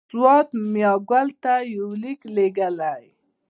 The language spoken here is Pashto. سوات میاګل ته یو لیک لېږلی.